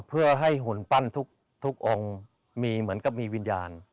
เพื่อให้หุ่นปั้นทุกองค์มีเหมือนกับมีวิญญาณ